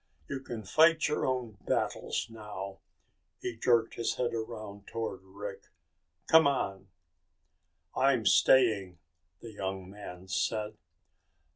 You can fight your own battles now." He jerked his head around toward Rick. "C'mon!" "I'm staying," the young man said.